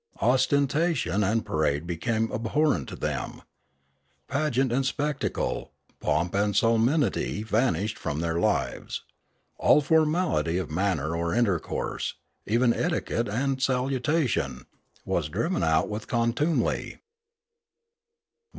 Ostentation and parade became abhorrent to them. Pageant and spectacle, pomp and solemnity vanished from their lives. All formality of manner or intercourse, even etiquette and salutation, was driven out with con tumely.